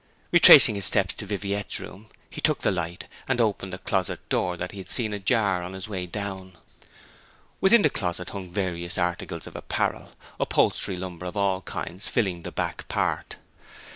Retracing his steps to Viviette's room he took the light, and opened a closet door that he had seen ajar on his way down. Within the closet hung various articles of apparel, upholstery lumber of all kinds filling the back part.